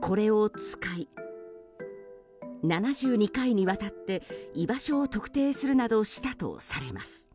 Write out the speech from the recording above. これを使い、７２回にわたって居場所を特定するなどしたとされます。